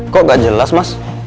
kok gak jelas mas